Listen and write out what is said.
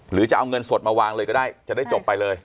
หรือจะเอาเงินสดมาวางเลยก็ได้จะได้จบไปเลย